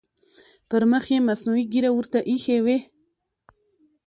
پر مخ یې مصنوعي ږیره ورته اېښې وي.